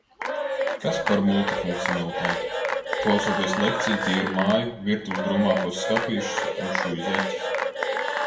Kas par multifunkcionalitāti! Klausoties lekciju, tīru māju, virtuves drūmākos skapīšus un šuju zeķes.